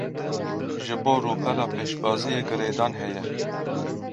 Ji bo rûpela pêşbaziyê girêdan heye.